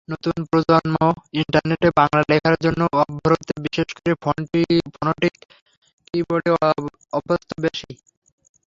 নতুন প্রজন্ম ইন্টারনেটে বাংলা লেখার জন্য অভ্রতে বিশেষ করে ফোনেটিক কি-বোর্ডে অভ্যস্ত বেশি।